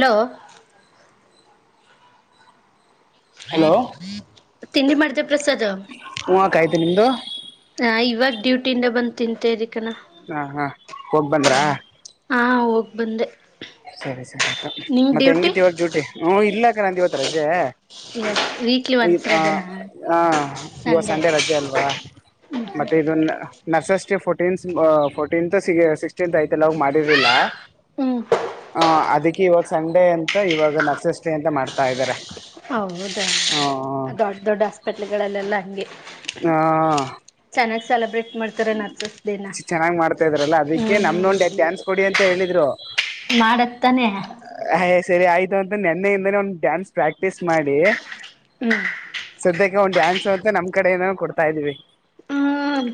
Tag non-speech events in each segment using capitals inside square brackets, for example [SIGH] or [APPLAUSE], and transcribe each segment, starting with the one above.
Hello. Hello. ತಿಂಡಿ ಮಾಡ್ದ ಪ್ರಸಾದ. [UNINTELLIGIBLE] ಹ ಇವಾಗ ಡ್ಯೂಟಿಯಿಂದ ಬಂದ ತಿಂತೇರಿ ಕಣ. ಹಾ ಹಾ ಹೋಗ ಬಂದ್ರ. ಹಾ ಹೋಗ್ ಬಂದೆ. ಸರಿ ಸರಿ ನಿಮ್ ಮತ್ತೆ ಡ್ಯೂಟಿ ಹೆಂಗಿತ್ ಇವಾಗ ಡ್ಯೂಟಿ ಹ್ಮ ಇಲ್ಲಾಕ ನಂದ ಇವತ್ ರಜೆ. ವೀಕ್ಲಿ ಇ ಒನ್ಸ್ ಹ ರಜೆನಾ ಹಾ ಇವಾಗ ಸಂಡೇ ಸಂಡೆ ರಜೆ ಅಲ್ವಾ. ಮತ್ತೆ ಇದ ನರ್ಸಸ್ ಫೋಟ ಫೋರ್ಟೀನ್ತ್ ಸಿಕ್ಟೀತ್ ಯತಿಲ್ಲ ಅವ್ ಮಾಡಿರ್ಲಿಲ್ಲ. ಹ ಅದಕ್ಕೆ ಇವಾಗ ಸಂಡೇ ಅಂತ ಇವಾಗ ನರ್ಸಸ್ ಡೇ ಅಂತ ಮಾಡ್ತಾ ಇದ್ದಾರೆ. ಹೌದ ದೊಡ್ ದೊಡ್ಡ ಹಾಸ್ಪೆಟ್ಲ್ ಗಳಲ್ಲೆಲ್ಲಾ ಹಂಗೆ. ಹ. ಚೆನ್ನಾಗ್ ಸೆಲೆಬ್ರೇಟ್ ಮಾಡ್ತಾರೆ ನರ್ಸಸ್ ಡೇ ನಾ ಚೆನ್ನಾಗ್ ಮಾಡ್ತಾ ಇದ್ರಲ್ಲ ಅದಕ್ಕೆ ಹ್ಮ್. ನಮ್ದೊಂದ್ ಡ್ಯಾನ್ಸ್ ಕೊಡಿ ಅಂತ ಮಾಡದ ತಾನೆ. ಹಯ ಸರಿ ಆಯ್ತು ಅಂತ ನೆನ್ನೆಯಿಂದಾನೇ ಒಂದು ಡ್ಯಾನ್ಸ್ ಪ್ರಾಕ್ಟೀಸ್ ಮಾಡಿ. ಹ್ಮ. ಈಗ ಒಂದ ಡ್ಯಾನ್ಸ್ ಅಂತ ನಮ್ಮ ಕಡೆ ಏನನು ಕೊಡ್ತಾ ಇದ್ದೀವಿ. ಹ್ಮ್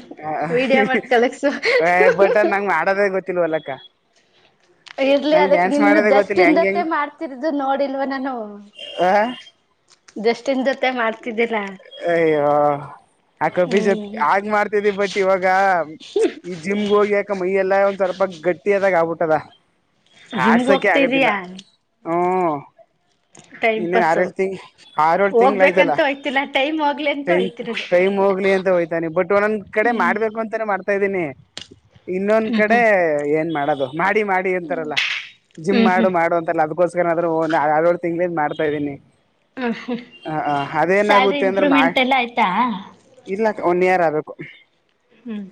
ವಿಡಿಯೋ ಮಾಡ್ ಕಲಕ್ಸು ಹ ಬಟ ನಂಗ್ ಮಾಡೋದೇ ಗೊತ್ತಿಲ್ವಲ್ಲ. [INAUDIBLE] ಇರ್ಲಿ ಅದಕ್ ನಿನ್ ಜಸ್ಟ್ ಹೆಂಗ ಇಿಂದತ್ತೇ ಹೆಂಗ್ ಮಾಡ್ತಿರು ನೋಡಿಲ್ವ ನಾನು. ಹಾ. ಮಾಡ್ತಿದ್ದೀರಾ. ಅಯ್ಯೋ. ಅಕ ಬೀಜತ್ ಹ್ಮ್ ಆಗ್ ಮಾಡ್ತಿದ ಬಟ್ ಇವಾಗ ಈ ಜಿಮ್ಗೆ ಹೋಗಿ ಯಾಕ ಮೈಯ ಎಲ್ಲಾ ಒಂದ್ ಸ್ವಲ್ಪ. ಗಟ್ಟಿಯದಾಗ ಆಗ್ಬಿಟ್ಟದ ಜಿಮ್ಗೆ ಆಡ್ಸೋಕೆ ಆಗದಿಲ್ಲ ಹೋಗ್ತಿದೀಯಾ ಹ್ಮ್. ಟೈಮ್ ಇನ್ನೇ ಆರೆ ಎಳ ತಿಂಗ ಆರೆಳ ತಿಂಗಳ ಆಯ್ ಎಂತ ಹಯ್ಲ್ಲ. ಟೈಮ್ ಟೈಮ್ ಹೋಗ್ಲಿ ಅಂತ ಹೋಯ್ತಾನೆ ಬಟ್ ಒಂದೊಂದ್ ಕಡೆ ಹ್ಮ್ ಮಾಡ್ಬೇಕು ಅಂತಾನೇ ಮಾಡ್ತ ಇದೀನಿ ಇನ್ನೊಂದ್ ಹ್ಮ್ ಕಡೆ ಹ್ಮ್ ಏನ್ ಮಾಡದ ಮಾಡಿ ಮಾಡಿ ಅಂತಾರಲ್ಲ ಜಿಮ್ ಹ್ಮ್ ಮಾಡು ಹ್ಮ್ ಮಾಡು ಅಂತಲ್ಲ ಅದ್ಕೋಸ್ಕರನಾದ್ರೂ ತಿಂಗಳ ಮಾಡ್ತಾ ಇದ್ದೀನಿ ಹ್ಮ್ ಹ್ಮ್ ಸ್ಯಾಲ್ರಿ ಅದೇನಾಗುತ್ತೆ ಅಂದ್ರೆ ನಾ [UNINTELLIGIBLE] [UNINTELLIGIBLE] ಹ್ಮ್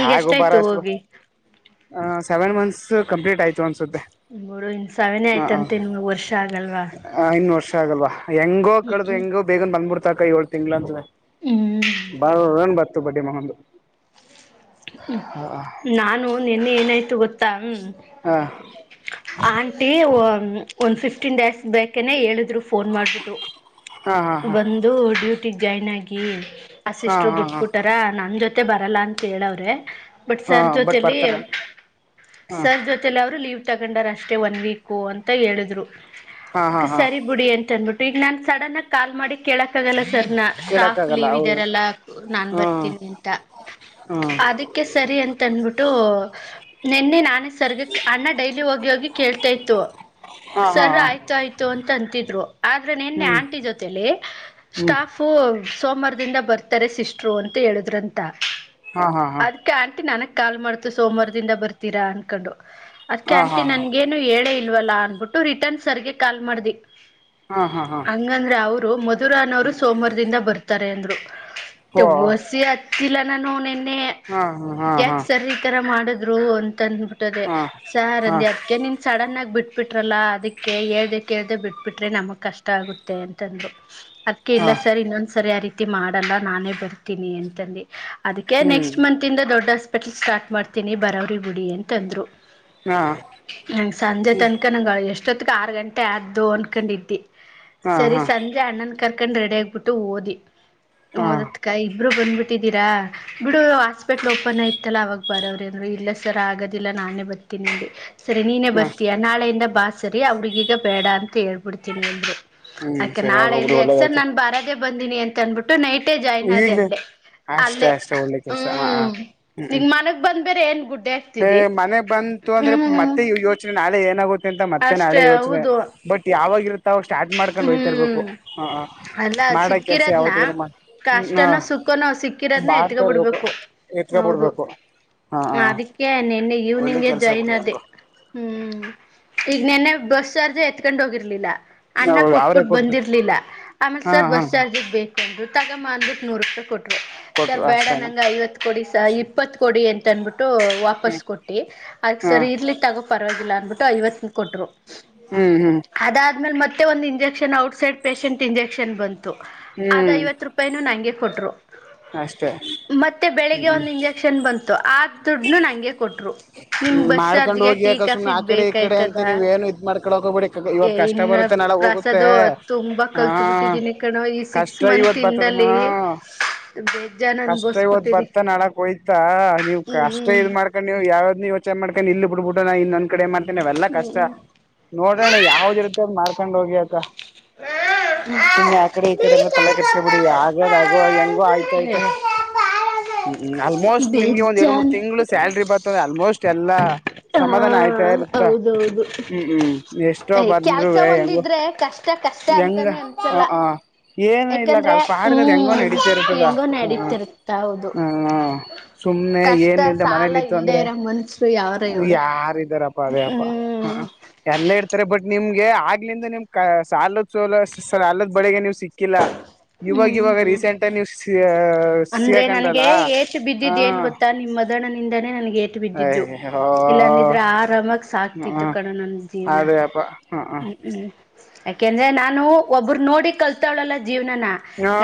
ಈಗ ಎಷ್ಟಾಯ್ತು ಹೋಗಿ ಸೆವೆನ್ ಮಂತ್ಸ್ ಕಂಪ್ಲೀಟ್ ಆಯ್ತು ಅನ್ಸ್ ಬೋಡು ಇನ್ ಸಾವನೆೇ ಆಯ್ತಂತೆ ನೀಮ ವರ್ಷ ಆಗಲ್ವಾ. ಷ್ಟ ಆಗಲ್ವಾ ಹೆಂಗೋ ಕಳ್ದ ಹೆಂಗೋ ಬೇಗನ್ ಬಂದ್ಬಿಡ್ತಾಕ ಏಳ್ ತಿಂಗ್ ಅಂದ್ರೆ. ಹ್ಮ್ [UNINTELLIGIBLE] ಹ್ಮ ನಾನು ನಿನ್ನೆ ಏನಾಯ್ತು ಗೊತ್ತಾ ಹ್ಮ್. ಹ ಆಂಟಿ ಒಂದ್ ಫಿಫ್ಟೀನ್ ಡೇಸ್ ಬೇಕೇನೆ ಹೇಳಿದ್ರು. ಫೋನ್ ಮಾಡ್ಬಿಟ್ಟು ಹಾ ಹಾ ಹಾ ಬಂದು ಡ್ಯೂಟಿ ಜಾಯ್ನ್ ಆಗಿ. ಆ ಹಾ ಸಿಸ್ಟರು ಹಾ ಹಾ ಬಿಟ್ಬುಟಾರ ನನ್ ಜೊತೆ ಬರಲ್ಲ ಅಂತ ಹೇಳವ್ರೆ. ಬಟ್ ಹಾ ಸರ್ ಬಟ್ ಜೊತಲಿ ಬರ್ತಾರ ಸರ್ ಜೊತಲಿ ಅವರು ಲೀವ್ ಲೀವ್ ತಗೊಂಡ ಅಷ್ಟೆ ಒನ್ ವೀಕ ಅಂತ ಹೇಳಿದ್ರು ಹಾ ಹಾ ಹಾ ಹಾ ಸರಿ ಬಿಡಿ ಅಂತ ಅಂದಬಿಟ್ಟ ಈಗ ನಾನ್ ಸಡನ್ ಆ ಕಾಲ್ ಮಾಡಿ ಕೇಳಕ್ ಯಾಗಲ್ಲ ಸರ್ ನ ಸ್ಟಾಫ್ ಕೇಳಕ್ಕಾಗಲ್ಲ ಲೀವ್ ಹೌದು ಇದಾರೆಲ್ಲ ನಾನ್ ಬರ್ತೀನಿ ಅಂತ ಹಾ ಅದಕ್ಕೆ ಸರಿ ಅಂತನ್ಬಿಟ್ಟು ನೆನ್ನೆ ನಾನೇ ಸರ್ಗ ಅಣ್ಣ ಡೈಲಿ ಹೋಗಿ ಹೋಗಿ ಕೇಳ್ತಾ ಇತ್ತು ಹಾ ಹಾ ಹಾ ಸರ ಹಾ ಆಯ್ತು ಆಯ್ತು ಅಂತ ಅಂತಿದ್ರು ಆದ್ರೆ ನಿನ್ನೆ ಹ್ಮ್ ಆಂಟಿ ಜೊತೆ ಹ್ಮ್ ಸ್ಟಾಫು ಸೋಮವಾರದಿಂದ ಬರ್ತಾರೆ ಸಿಸ್ಟರು ಅಂತ ಹೇಳುದ್ರಂತ ಹಾ ಹಾ ಹಾ ಅದಕ್ಕೆ ಆಂಟಿ ನನಗ್ ಕಾಲ್ ಮಾಡ್ತು ಸೋಮವಾರದಿಂದ ಬರ್ತೀರಾ ಅನ್ಕೊಂಡು ಅದ್ಕ ಆಂಟಿ ಹಾ ಹಾ ನನ್ಗೇನು ಹೇಳೇ ಇಲ್ವಲ್ಲಾ ಅನ್ಬಿಟ್ಟು ರಿಟರ್ನ್ ಸರ್ಗೆ ಕಾಲ್ ಮಾಡ್ದಿ ಹಾ ಹಾ ಹಾ ರು ಮಧುರನೋರು ಸೋಮವಾರದಿಂದ ಬರ್ತಾರೆ ಅಂದ್ರು ಓ ವಸಿ ಹತ್ತಿಲ್ಲ ನಿನ್ನೆ ಹಾ ಹಾ ಹಾ ಸ ತರ ಮಾಡ ರು ಅಂತ ಅಂದಬಿಟ್ಟದೆ ಹಾ ಸರ್ ಹಾ ಅಂದ ಅದಕ ನೀನ್ ಸಡನ್ ಆಗಿ ಬಿಟ್ಟ ಬಿಬಿಟ್ರಲ್ಲಾ ಅದಕ್ಕೆ ಹೇಳ್್ದಕ್ಕೆೇೇಳ್ದ ಬಿಟ್ಬಿಟ್ರೆ ನಮಗ್ ಕಷ್ಟ ಆಗುತ್ತೆ ಅಂತಂದು ಅದಕ್ಕೆ ಹಾ ಇಲ್ಲ ಸರ್ ಇನ್ನೊಂದ್ ಸರಿ ಆ ರೀತಿ ಮಾಡಲ್ಲ ನಾನೇ ಬರ್ತೀನಿ ಅಂತಂದು ಅದಕ್ಕೆ ಹ್ಮ್ ನೆಕ್ಸ್ಟ್ ಮಂತ್ ಇಂದ ದೊಡ್ಡ ಹಾಸ್ಪಿಟಲ್ ಸ್ಟಾರ್ಟ್ ಮಾಡ್ತೀನಿ ಬರಾವ್ರಿ ಗುಡಿ ಅಂತಂದ್ರು ಹಾ ನ ಸಂಜೆ ತನಕ ನಂಗ ಎಷ್ಟು ಇಷ್ಟೊತ್ತ ಆರು ಗಂಟೆ ಆದು ಅನ್ಕೊಂಡಿದ್ದಿ ಹಾ ಸರಿ ಹಾ ಸಂಜೆ ಅಣ್ಣನ್ ಕರ್ಕಂಡ್ ರೆಡಿ ಆಗಬಿಟ್ಟು ಓದಿ ಹಾ ಓದತ್ಕ ಇಬ್ಬರು ಬಂದ್ಬಿಟ್ಟು ಿದ್ದೀರಾ ಬಿಡು ಹಾಸ್ಪೆಟ್ಲ್ ಓಪನ್ ಯತಲ್ಲ ಅವಾಗ ಬರವ್ರೇಂದ್ರು ಇಲ್ಲ ಸರ್ ಆಗೋದಿಲ್ಲ ನಾನೇ ಬರ್ ತಿಿನಡಿ ಸರಿ ನೀನೇ ಹಾ ಬರ್ತೀಯಾ ನಾಳೆಯಿಂದ ಬಾ ಸರಿ ಅವ್ರಿಗೀಗ ಬೇಡ ಅಂತ ಹೇಳ್ಬಿಡ್ತೀನಿ ಎಲ್ರು ಹ್ಮ್ ಅಕೆ ಸರಿ ಆಗೋಗ್ಬಿಡಿ ನಾಳೆಯಿಂದ ಎಕ್ಸರ್ ಒಳ್ಳೇದಾಯ್ತು ನಾನ್ ಬರದೇ ಬಂದೀಿನಿ ಅಂತ ಅನ್ಬಿಟ್ಟು ನೈಟೇ ಜಾಯಿನ್ ಅ ಈಗ್ಲೇ ಅಲ್ಲೇ ಅಷ್ಟೇ ಅಲ್ಲೇ ಅಷ್ಟೇ ಒಳ್ಳೆ ಕೆಲ್ಸ ಹ ಹ ಹ್ಮ್ ನಿ ಮನ ಬಂದ ನ್ ಗುಡ್ ಹ ಮನೆಗ್ ಬಂತು ಅಂದ್ರೆ ಮತ್ತೆ ಯೋಚನೆ ನಾಳೆ ಏನಾಗುತ್ತೆ ಅಂತ ಮತ್ತೆನೆಾಳೆ ಅಷ್ಟೇ ಯೋಚನೆ ಹೌದು ಬಟ್ ಯಾವಾಗರುತ್ತ ಅವ ಸ್ಟಾರ್ಟ್ ಮಾಡ್ಕೊಂಡು ಹೋಯ್ತ ಇರ್ಬೇಕು ಹ್ಮ್ ಹ ಮಾಡ ಕೆಲ್ಸ ಯಾವತ್ತಿದ್ರರು ಕಾಷ್ಟನ ಸುಖ ನೋವು ಸಿಕ್ಕಿರೋದನ್ನ ಎತ್ಗೋ ಇರ್ಬೇಕು ಬಿಡ್ಬೇಕು ಎತ್ಕ ಹೌದು ಬಿಡ್ಬೇಕು ಹಾ ಹ ಅದಕ್ಕೆ ನಿನ್ನೆ ಈವ್ನಿಂಗೇ ಜಾಯಿನ್ ಅದೇ ಹ್ಮ್ ಈಗ ನಿನ್ನೆ ಬಸ್ ಚಾರ್ಜ್ ಎತ್ಕೊಂಡ್ ಹೋಗಿರ್ಲಿಲ್ಲ ಅಣ್ಣ ಹೌದು ಅವ್ರೇ ಕೊಟ್ಬಿಟ್ಟು ಕೊಟ್ರು ಬಂದಿರ್ಲಿಲ್ಲ ಆಮೇ ಹಾ ಸರ್ ಹಾ ಬಸ್ ಚಾರ್ಜಸ್ ಬೇಕುಂದ್ರು ತಗೊ ಅಂದ್ಬಿಟ್ಟು ನೂರು ರೂಪಾಯಿ ಕೊಟ್ಟ್ರರು ಸರ್ ಕೊಟ್ರು ಬೇಡ ಅಷ್ಟೇನೆ ನಂಗೆ ಐವತ್ತು ಕ ಕೊಡಿ ಸ ಇಪ್ಪತ್ತು ಕೊಡಿ ಅಂತಂದ್ಬಿಟ್ಟು ಬಿಟ್ಟು ವಾಪಸ್ು ಕೊಟ್ಟು ಅದಕ್ಕೆ ಹಾ ಸರಿ ಇರ್ಲಿಕ್ಕೆಗೋ ಪರವಾಗಿಲ್ಲ ಅಂದ್ಬಿಟ್ಟು ಐವತ್ತ ಕೊಟ್ರು ಹ್ಮ್ ಹ್ಮ್ ಅದಾದ್ಮೇಲೆ ಮತ್ತೆ ಒಂದು ಇಂಜೆಕ್ಷನ್ ಔಟ್ಸೈಡ್ ಪೇಶಷೆಂಟ್ ಇಂಜೆಕ್ಷನ್ ಬಂತು ಅದ್ ಹ್ಮ್ ಐವತ್ ರೂಪಾಯಿನ ನಂಗೆ ಕೊಟ್ರು ಅಷ್ಟೇ ಮತ್ತೆ ಬೆಳಿಗ್ಗೆ ಒಂದ ಇಂಜೆಕ್ಷನ್ ಬಂತು ದುಡ್ ನಂಗೆ ಕೊಟ್ರು ನಿಮ್ ಬಸ್ ಮಾಡ್ಕೊಂಡ್ ಚಾರ್ಜ್ಗೆ ಹೋಗಿಕ ಸುಮ್ನೆ ಆ ಟೀಕಾಫಿಕ್ ಕಡೆ ಈ ಬೇಕಾಯು ಕಡೆ ತದ ಅಂತ ನೀವ್ ಏನು ಇದ್ ಮಾಡ್ಕೊಳಕ್ ಹೋಗ್ಬೇಡಿ ಇವತ್ ಕಷ್ಟ ಇನ್ನು ಬರುತ್ತೆ ನಾಳೆ ಹೋಗುತ್ತೆ ಪ್ರಸದು ತುಂಬಾ ಹಾ ಕಲ್ತ್ ಬಿಟ್ಟಿದ್ದೀನಿ ಈ ಸಿಕ್ಸ್ ಕಷ್ಟ ಮಂತ್ ಇವತ್ ಬರ್ತದ ಇಂದಲ್ಲಿ ಹಾ ಬೇಜಾನ್ ಕಷ್ಟ ಓದ್ ಅನ್ಭವಸ್ಬಿಟ್ಟಿನಿ ಬತಾ ನಾಳಕ್ ಹೋಯ್ತಾ ನೀವ್ ಅಷ್ಟೇ ಹ್ಮ್ ಇದ್ ಮಾಡ್ಕೊಂಡ್ ನೀವು ಯಾವ್ದ ನೀ ಯೋಚನೆ ಮಾಡ್ಕ ಇಲ್ಲಿ ಬಿಡ್ಬಿಟ್ಟ ನ ಇನ್ನೊಂದ ಕಡೆ ಮಾಡ್ತೇನೆ ಅವೆಲ್ಲ ಕಷ್ಟ ನೋಡೋಣ ಯಾವ್ದ್ ರೀತಿ ಹಕೊಂಡ್ ಹೋಗಿ ಅಕ್ಕ ಹ್ಮ್ ಸುಮ್ನೆ ಆ ಕಡೆ ಈ ಕಡೆ ಎಲ್ಲ ತಲೆ ಕೆಡಸ್ಕೊ ಬಿಡಿ ಆಗದ್ ಆ ಹ ಹೆಂಗೋ ಆಯ್ತ ಹ ್ಮ ಆಲ್ಮೋಸ್ಟ್ ನಿಮ್ಗೆ ಒಂದ ಎರಡ್ ಮೂರ್ ತಿಂಗಳು ಸ್ಯಾಲ್ರಿ ಬರ್ಂದ್ರೆ ಆಲ್ಮೋಸ್ಟ್ ಎಲ್ಲಾ ಹಾ ಸಮಾಧಾನ ಆಯ್ತಾ ಇರುತ್ತ ಹೌದೌದು ಹ್ಮ್ ಹ್ಮ್ ಎಷ್ಟೋ ಬಂದ್ೂ ಕೆಲ್ಸ ವೇ ಹೆಂಗೋ ಒಂದಿದ್ರೆ ಕಷ್ಟ ಕಷ್ಟ ಹೆಂಗ ಅಂತಾನೆ ಅನ್ಸಲ್ಲ ಹ ಆ ಏನು ಇಲ್ಲಕ್ಕ ಅದ ಪಾಡ್ಗದ ಹೆಂಗೋ ನಡೀತಿ ಇರ್ತದ ನಡತಿರ್ತ ಹೌದು ಸುಮ್ಮನೆ ಕಷ್ಟ ಏನ್ ಇಲ್ದೆ ಸಾಲ ಮನೇಲಿ ಇತ್ತು ಇಲ್ದೇ ಅಂದ್ರೆ ಇರೋ ಮನುಷ್ಯರು ಯಾವ್ರ ಹೇಳು ಯಾರ್ದಾರಪ್ಪ ಅದೇಪ್ಪಾ ಹ್ಮ್ ಎಲ್ಲ ಇರ್ತಾರೆ ಬಟ್ ನಿಮ್ಗೆ ಆಗ್ಲಿಂದ ನಿಮ್ ಕ ಸಾಲದ ಸೋಲ ಸಾಲದ ಬಳಿಗೆ ನೀವ ಸಿಕ್ಕಿಲ್ಲ ಇವಾಗ ಇವಾಗ ಹ್ಮ್ ರೀಸೆಂಟಲ್ಲಿ ನೀವ ಸಿ ಅಂದ್ರೆ ನನ್ಗೆ ಏಟ್ಟ ಹಾ ಬಿದ್ದಿದ್ದ ಏನ್ ಗೊತ್ತಾ ನಿಮ ಮದುಣ್ಣನಿಂದನೇ ನನ್ಗೆ ಏಟ್ಟ ಬಿದ್ದಿದ್ದು ಅಯ್ಯೋ ಇಲ್ಲ ಅಂದಿದ್ರೆ ಆರಾಮಾಗ ಹ್ಮ ಸಾಕ್ತಿತ್ತು ಕಣೂ ನಂದ ಜೀವ್ನ ಅದೇಪ್ಪ ಹ್ಮ ಹ್ಮ್ ಹ್ಮ ಹ್ಮ್ ಯಾಕೆಂದ್ರೆ ನಾನು ಒಬ್ಬರ ನೋಡಿ ಕಲ್ತವ್ಳಲ್ಲ ಜೀವನನ್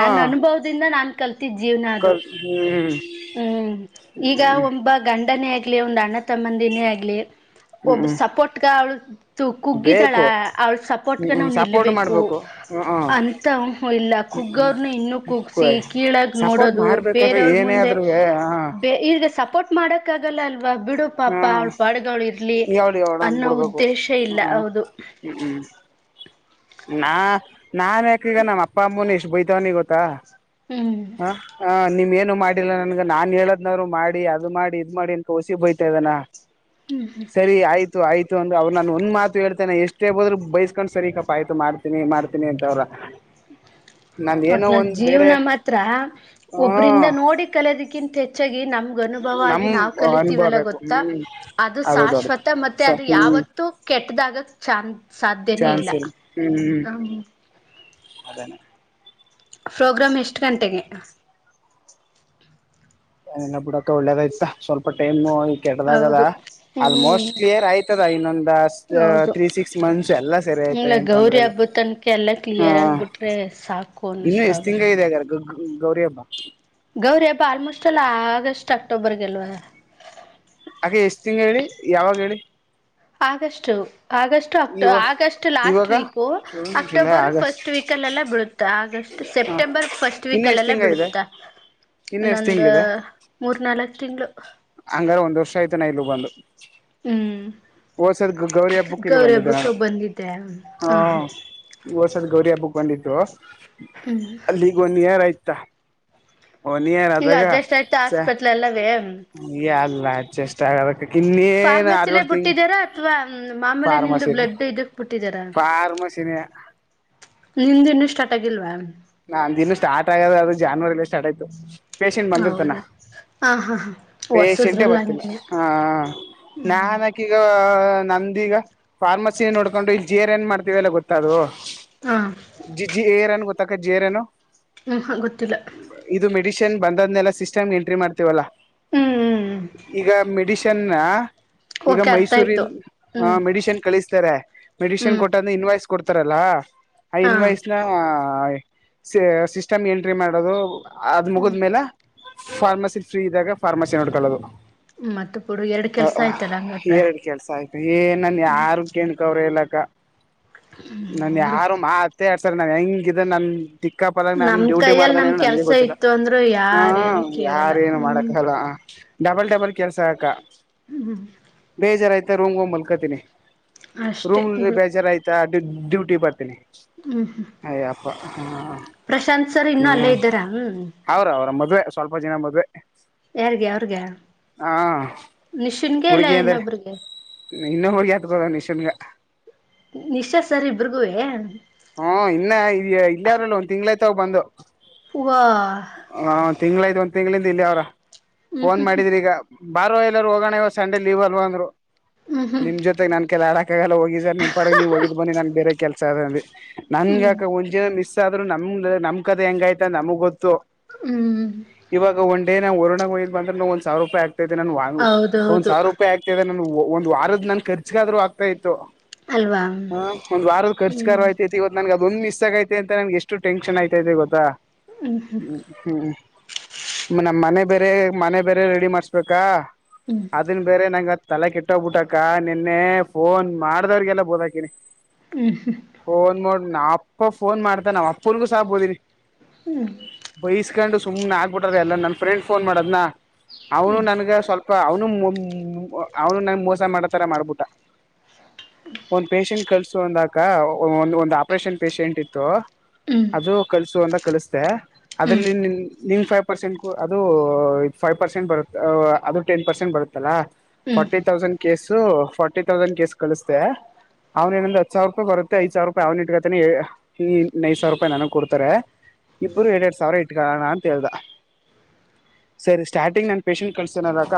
ನನ್ ಅನುಭವದಿಂದ ನಾನ್ ಕಲ್ತಿದ ಜೀವನ ಅದು ಕರ್ ಹ್ಮ್ ಹ್ಮ್ ಈಗ ಒಬ್ಬ ಗಂ ಗಂಡನೇ ಆಗ್ಲಿ ಒಂದ್ ಅಣ್ಣ ತಮ್ಮಂದಿನೇ ಆಗ್ಲಿ ಹ್ಮ್ ಒಬ್ರ ಹ್ಮ್ ಸಪೋರ್ಟ್ಗ ಅವಳು ಕುಗ್ಗಿದಾಳ ಬೇಕು ಅವಳ ಹ್ಮ್ ಸಪೋರ್ಟ್ಗ ಹ್ಮ್ ನಾವ್ ಸಪೋರ್ಟ್ ನಿಲ್ಲಬೇಕು ಮಾಡ್ಬೇಕು ಹ್ಮ ಹ್ಮ ಅಂತ ಇಲ್ಲ ಕುಗ್ ಕುಗ್ಗವ್ರನ್ನ ಇನ್ನು ಕುಗ್ಸಿ ಕೀಳಾಗ ಸಪೋರ್ಟ್ ನೋಡೋದು ಮಾಡ್ಬೇಕಾದ್ರೆ ಬೇರೆಯವ್ರ ಏನೇ ಮುಂದೆ ಆದ್ರುವೆ ಹ ಇಲ್ಲ ಸಪೋರ್ಟ್ ಮಾಡಕ ಹ್ಮ ಇರ್ಲಿ ನೀವು ಅವರೀಗ ಯೌಡಾ ಅಂದ ಅನ್ನೋ ಬಿಡ್ಬೇಕು ಉದ್ದೇಶ ಹ್ಮ ಇಲ್ಲ ಹ್ಮ ಹೌದು ಹ್ಮ್ ಹ್ಮ್ ಹ್ಮ ನಾ ನಾನ್ ಯಾಕ ಈಗ ನಮ್ಮ ಅಪ್ಪ ಅಮ್ಮನ ಇಷ್ಟ ಬಯತವನಿ ಗೊತ್ತಾ ಹ್ಮ್ ಹ ಹ ನಿಮಗ ಏನ್ ಏನು ಮಾಡಿಲ್ಲ ನನ್ಗ ನಾನ್ ಹೇಳದ್ನವ್ರು ಮಾಡಿ ಅದ ಮಾಡಿ ಇದ್ ಮಾಡಿ ಅನ್ ವಸಿ ಬೈಯತ ಇದಾನ ಸರಿ ಆಯ್ತು ಆಯ್ತು ಅಂದ್ರೆ ಅವ್ರು ನಾನು ಒಂದ್ ಮಾತು ಹೇಳ್ತೇನೆ ಎಷ್ಟೇ ಬೈದ್ರರು ಬೈಸ್ಕೊಂಡ್ ಸರಿ ಕ ಪ್ಪ ಆಯ್ತು ಮಾಡ್ತೀನಿ ಮಾಡ್ತೀನಿ ಅಂತವ್ರ ಒಟನ್ನಲ್ಲ ಜೀವ್ನ ಮಾತ್ರ ಹ ಒಬ್ರಿಂದ ನೋಡಿ ಕಲೋದಕ್ಕಿಂತ ಹೆಚ್ಚಾಗಿ ನಮ ಅನುಭವ ನಮ್ ಆಗಿ ನಾವ್ ಅನುಭವ ಕಲಿತೀವಲ್ಲ ಬೇಕು ಗೊತ್ತಾ ಹ್ಮ್ ಅದು ಶಾಶ್ವತ ಮತ್ತೆ ಸ ಅದು ಹ್ಮ್ ಯಾವತ್ತು ಕೆ ಕೆಟ್ಟದಾಗ ಚಾನ್ನ ಚಾನ್ಸೆ ಇಲ್ಲ ಹ್ಮ್ ಹ್ಮ್ ಪ್ರೋಗ್ರಾಮ್ ಎಷ್ಟ ಗಂಟೆಗೆ ಏನಿಲ್ಲ ಬಿಡಕ ಒಳ್ಳೇದಾಯ್ತ ಸ್ವಲ್ಪ ಟೈಮು ಕೆಟ್ಟದಾಗದ ಹೌದು ಹ್ಮ್ ಆಲ್ಮೋಸ್ಟ್ ಕ್ಲಿಯರ್ ಆಯ್ತದ ಇನ್ನೊಂದು ಹೌದು ತ್ರೀ ಸಿಕ್ಸ್ ಮಂತ್ಸ್ ಎಲ್ಲ ಸರಿ ಆಯ್ತಾ ಇಲ್ಲ ಏನ್ ತೊಂದ್ರೆ ಗೌರಿ ಇಲ್ಲ ಹಬ್ಬದ ತನಕ ಎಲ್ಲ ಹ ಕ್ಲಿಯರ್ ಆಗ್ಬಿಟ್ರೆ ಸಾಕು ಇನ್ನು ಅನ್ನಿಸ್ತಾ ಎಷ್ಟ ತಿಂಗಳ ನಂಗೆ ಇದೆ ಗ ಗ್ಗ ಹ್ಮ್ ಗೌರಿ ಹಬ್ಬಾ ಗೌರಿ ಹಬ್ಬ ಆಲ್ಮೋಸ್ಟ್ ಎಲ್ಲ ಆಗಸ್ಟ್ ಅಕ್ಟೋಬರ್ಗೆಲ್ವಾ ಅಕ್ಕ ಎಷ್ಟ್ ತಿಂಗಳ ಹೇಳಿ ಯಾವಾಗ ಹೇಳಿ ಆಗಷ್ಟು ಆಗಸ್ಟ್ ಅಕ್ಟ ಇವ ಆಗಸ್ಟ್ ಲಾಸ್ಟ್ ಇವಾಗ week June July October August first ವೀಕಲ್ಲೆಲ್ಲ ಬೀಳುತ್ತ ಆಗಸ್ಟ್ ಹ ಸೆಪ್ಟೆಂಬರ್ ಫಸ್ಟ್ ವೀಕ್ ಇನ್ನು ಎಷ್ಟ್ ಅಲ್ಲೆಲ್ಲ ತಿಂಗ ಇದೆ ಬಿಡುತ್ತಾ ಇನ್ನು ಎಷ್ಟ್ ಇನ್ನೊಂದು ತಿಂಗಳಿದೆ ಮೂರ್ ನಾಲ್ಕ್ ತಿಂಗಳು ಹಂಗಾರ ಒಂದ್ ವರ್ಷ ಆಯ್ತು ನಾ ಇಲ್ಲಗ ಬಂದು ಹ್ಮ್ ಓದಸರಿ ಗೌರಿ ಹಬ್ಬಕ್ಕ ಇಲ್ಲಿ ಗೌರಿ ಬಂದಿದ್ದೆ ನಾನು ಹಬ್ಬಕ್ಕೆ ಬಂದಿದ್ದೆ ಹ ಹ ಹ್ಮ್ ಓದಸರಿ ಗೌರಿ ಹಬ್ಬಕ್ ತಗೋಂಡಿದ್ದು ಅಲ್ಲಿಗ ಒನ್ನಿಯರಯ್ತಾ ಈಗ ಓನೀರದಾಗ ಅಡ್ಜಸ್ಟ್ ಆಯ್ತಾ ಚೇ ಹಾಸ್ಪಿಟ್ಲ್ ಎಲ್ಲವೇ ಅಲ್ಲ ಅಡ್ಜಸ್ಟ್ ಆಗದಕ್ಕ ಇನೇನ ಆರು ಫಾರ್ಮಸಿಲೇ ಏಳ ತಿಂಗಳ ಬಿಟ್ಟಿದಾರ ಅಥವಾ ಮಾಮೂಲಿ ನಿಂದು ಫಾರ್ಮಾಸಿನೇ ಬ್ಲಡ್ ಇದಕ್ ಬಿಟ್ಟಿದಾರ ಫಾರ್ಮ ಅಮಾಸೀನೆ ನಿಮ್ದು ಇನ್ನು ಸ್ಟಾರ್ಟ್ ಆಗಿಲ್ವಾ ನಾಂದ ಇನ್ನು ಸ್ಟಾರ್ಟ್ ಆಗದ ಅದು ಜನ್ವರಿಲಿ ಸ್ಟಾರ್ಟ್ ಆಯ್ತು ಪೇಶೆಂಟ್ ಬಂದಿರ್ತಾನ ಹೌದಾ ಹ ಹಾ ಹಾ ಪೇಶೆಂಟೇ ಹೊಸದ್ರಲ್ಲ ಬರ್ತಿಲ್ಲ ಹಂಗೆ ಹ ನಾನಕೀಗ ನಂದೀಗ ಫಾರ್ಮಸಿ ನೋಡ್ಕೊಂಡು ಈಗ ಜೇರ್ ಏನ್ ಮಾಡ್ ವಲ್ಲ ಗೊತ್ತದು ಹ ಜಿ ಜಿ ಏರನ್ ಗೊತ್ತಕ ಜೀರೇನು ಹ್ಮ್ ಹ ಗೊತ್ತಿಲ್ಲ ನ್ ಬಂದ್ ಸಿಸ್ಟಮ್ ಎಂಟ್ರಿ ಮಾಡ್ತೀವಲ್ಲ ಹ್ಮ್ ಹ್ಮ್ ಈಗ ಮೆಡಿಶನ್ ಈಗ ಓಕೆ ಅರ್ಥ ಆಯ್ತು ಮೈಸೂರಿನ ಹಾ ಹ್ಮ್ ಮೆಡಿಶನ್ ಕಳಿಸ್ತಾರೆ ಮೆಡಿಶನ್ ಹ್ಮ್ ಕೊಟ್ಟಂದ್ರೆ ಇನ್ ವಯಸ್ ಕೊಡ್ತಾರಲ್ಲ ಹಾ ಇನ್ ವಯಸನ ಸಿಸ್ಟಮ್ ಎಂಟ್ರಿ ಮಾಡೋದು ಅದ್ ಮುಗದ ಮೇಲೆ ಫಾರ್ಮಸಿ ಫ್ರೀ ಇದ್ದಾಗ ಫಾರ್ಮಸಿ ನೋಡ್ಕೊಳ್ಳದು ಮತ್ತೆ ಬಿಡು ಎರಡು ಕೆಲ್ಸ ಹ ಆಯ್ತಲ್ಲ ಹಂಗಾದ್ರ ಎರಡು ಕೆಲ್ಸ ಆಯ್ತು ಏ ನನ್ ಯಾರು ಕೇಣಕ ಅವ್ರ ಇಲ್ಲ ನನ್ ಬಿಡು ಯಾರು ಮಾತ್ತೆ ಆಡ್ಸಲ್ಲ ನಾ ಹೆಂಗಿದಿನ್ ನನ್ ದಿಕ್ಕಾಪಲಗಿ ನಾನ್ ನಮ್ ಡ್ಯೂಟಿ ಕೈಯಲ್ಲಿ ಮಾಡ್ದಾನ ನಮ್ ಏನು ನನ್ಗೆ ಕೆಲ್ಸ ಗೊತ್ತಿಲ್ಲ ಇತ್ತು ಅಂದ್ರು ಹ ಯಾರೇನು ಕೇಳಲ್ಲ ಯಾರೇನು ಹ್ಮ್ ಮಾಡಕಗಲ್ಲ ಡಬಲ್ ಡಬಲ್ ಕೆಲಸ ಅಕ್ಕ ಹ್ಮ್ ಹ್ಮ್ ಬೇಜಾರಾಯ್ತಾ ರೂಮ್ ಹೋಗ್ ಮಲ್ಕತೀನಿ ಅಷ್ಟೇ ರೂಮ್ ಬೇಜಾರ ಆಯ್ತಾ ಡೂ ಡ್ಯೂಟಿಗೆ ಬರ್ತೀನಿ ಹ್ಮ ಹ್ಮ ಅಯ್ಯಪ್ಪ ಹ ಅಲ್ಲೇ ಇದ್ದಾರಾ ಹ್ಮ್ ಅವ್ರ ಅವ್ರ ಮದ್ವೆ ಸ್ವಲ್ಪ ಜನ ಮದ್ವೆ ಯಾರ್ಗೆ ಅವ್ರಗೆಯ ಹಾ ನಿಶುನ್ಗೆ ಇಲ್ಲ ಇನ್ನೊಬ್ಬ್ರಿಗೆ ಇನ್ನು ಹೋಗಿ ಅತ್ಕದ ನಿಶನ್ಗ ನಿಶಾ ಸರ್ ಇಬ್ಬರುಗುವೆ ಇತ್ತಗ್ ಬಂದು ವಾ ತಿಂಗಳ ಐತು ಒಂದು ತಿಂಗಳಿಂದ ಇಲ್ಲೆ ಅವ್ರ ಹ್ಮ್ ಫೋನ್ ಹ್ಮ್ ಮಾಡಿದ್ರಿ ಈಗ ಬಾರೊ ಎಲ್ಲಾರ ಹೋಗೋಣ ಸಂಡೆ ಲೀವ್ ಅಲ್ವಾ ಅಂದ್ರು ಹ್ಮ್ ನಿಮ್ ಜೊತೆಗೆ ನನ್ ಕೈಲಿ ಆಡಕ್ ಲ್ಲ ಹೋಗಿ ಸರ್ ನಿಂಪಾಡ್ಗ್ ನೀವು ಹೋಗಿದ್ ಬನ್ನಿ ನನ್ ಬೇರೆ ಕೆಲಸ ಅದ ಅಂದಿ ನಂಗ್ ಹ್ಮ್ ಯಾಕೋ [UNINTELLIGIBLE] ಆದ್ರೂ ನಮ್ದ ನಮ್ ಕದ ಹೆಂಗಾಯ್ತ ನಮಗ್ ಗೊತ್ತು ಹ್ಮ್ ಏ ನಾ ವರುಣ ಹೋಗಿದ್ ಬಂದ್ರ ನು ಒಂದ್ ಸಾವಿರ ರೂಪಾಯಿ ಆಗ್ತಾಯಿತೇ ನನ್ [UNINTELLIGIBLE] ಒಂದ್ ಹೌದೌದು ಸಾವಿರ ರೂಪಾಯಿ ಆಗ್ತಿದೆ ಒಂದು ವಾರದ್ ನನ್ ಖರ್ಚಗಾದೂ ಆಗ್ತಾ ಇತ್ತು ಅಲ್ವಾ ಹ್ಮ್ ಒಂದ್ ವಾರದ ಖರ್ಚಗರು ಆಯ್ತ ನಂಗ್ ಅದೊಂದು ಮಿಸ ಆಗೈತೆ ಅಂತ ನನ್ಗೆ ಎಷ್ಟುಟೆನ್ ಆಯತೈತೆ ಗೊತ್ತ ಹ್ಮ್ ಹ್ಮ್ ಹ್ಮ್ ನಮ್ ಮನೆ ಎ ಬೇರೆ ಮನೆ ಬೇರೆ ರೆಡಿ ಮಾಡ್ಸಬೇಕಾ ಹ್ಮ್ ಹ್ಮ್ ಅದನ್ ಬೇರೆ ನಂಗ ತಲೆ ಕೆಟ್ಟೋಗ್ಬಿಟ್ಟಕ್ಕ ನಿನ್ನೆ ಫೋನ್ ಮಾಡ್ದವ್ರಿಗೆಲ್ಲ ಬೂದಾಕಿನಿ ಹ್ಮ ಹ್ಮ್ ಫೋನ್ ಮಾಡೋ ನಾ ಅಪ್ಪ ಫೋನ್ ಮಾಡ್ತಾ ನಾವ್ ಅಪ್ಪನಿಗೂ ಸಹ ಬೋದಿನಿ ಹ್ಮ್ ಹ್ಮ್ ಬೈಸ್ಕೊಂಡು ಸುಮ್ನೆ ಆಗ್ಬಿಟ್ರ ಎಲ್ಲ ನನ್ ಫ್ರೆಂಡ್ ಫೋನ್ ಮಾಡದ್ನ ಹ್ಮ್ ಅವನು ನನ್ಗ ಸ್ವಲ್ಪ ಅವನು ಅವನು ನನ್ ಮೋಸ ಮಾಡತರ ಮಾಡ್ಬುಟ್ಟಾ ಒಂದ್ ಪಷೆಂಟ್ ಕಲ್ಸು ಅಂದಕ ಒ ಒಂದ್ ಆಪರೇಷನ್ ಪೇಶಷೆಂಟ್ ಇತ್ತು ಹ್ಮ್ ಅದು ಕಲ್ಸ ಅಂದ ಕಳಿಸ್ದೆ ಹ್ಮ್ ಅದ್ರಲ್ಲಿ ನಿನ್ ನಿನ್ ನಿಂಗೆ ಫೈವ್ ಪರ್ಸೆಂಟ್ಗೂ ಅದು ಫೈವ್ ಪರ್ಸೆಂಟ್ ಬರುತ್ತೆ ಅದು ಟೆನ್ ಪರ್ಸೆಂಟ್ ಬರುತ್ತಲ್ಲ ಹ್ಮ್ forty thousand case forty thousand case ಕಳಿಸ್ದೆ ಅವ್ನ ಏನಂದಂದು ಹತ್ತು ಸಾವಿರ ರೂಪಾಯಿ ಬರುತ್ತೆ ಐದ್ ಸಾವಿರ ರೂಪಾಯಿ ಅವ್ನ ಇಟ್ಕತಾನೆ ಈ ಇನ್ನೈದು ಸಾವಿರ ರೂಪಾಯಿ ನನಗ್ ಕೊಡ್ತಾರೆ ಇಬ್ರು ಎಡ್ ಎಡ್ ಸಾವಿರ ಇಟ್ಕಾಲನ ಅಂತ ಹೇಳ್ದ ಸರಿ ಸ್ಟಾರ್ಟಿಂಗ್ ನಾನ್ ಪೇಷಂಟ್ ಕಳ್ಸ್ತೀನಲ್ಲ ಅಕ್ಕ ಅವ್ರ್